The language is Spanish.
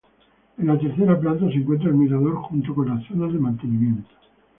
En la tercera planta se encuentra el mirador junto con las zonas de mantenimiento.